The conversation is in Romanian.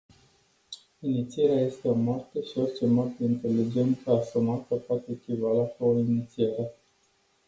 Inițierea este o moarte și orice moarte inteligent asumată poate echivala cu o inițiere.